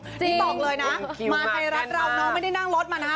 มาให้รักเราน้องไม่ได้นั่งรถมานะ